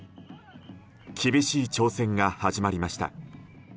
厳しい挑戦が始まりました。